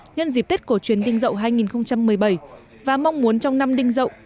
nhân dịp tết cổ truyền đinh dậu hai nghìn một mươi bảy và mong muốn trong năm đinh dậu